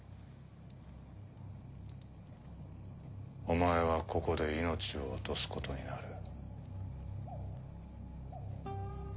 お前はここで命を落とすことになる。